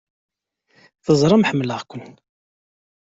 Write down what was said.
Teẓramt ḥemmleɣ-kent!